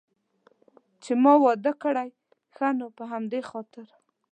چې ما واده کړی، ښه نو په همدې خاطر.